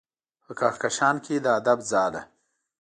په کهکشان کې د ادب ځاله